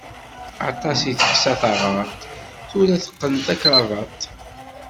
Aṭas i teksa taɣaṭ, tura teqqen takrabaṭ.